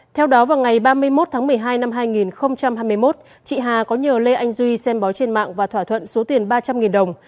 theo đó vào ngày ba mươi một tháng một mươi hai năm hai nghìn hai mươi một chị hà có nhờ lê anh duy xem bó trên mạng và thỏa thuận số tiền ba trăm linh đồng